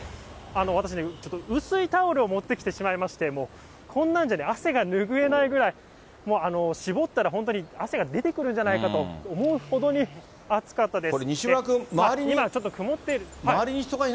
私ね、ちょっと薄いタオルを持ってきてしまいまして、こんなんじゃね汗が拭えないぐらい、もう絞ったら本当に汗が出てくるんじゃないかと思うほどに暑かったです。